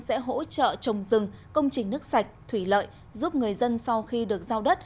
sẽ hỗ trợ trồng rừng công trình nước sạch thủy lợi giúp người dân sau khi được giao đất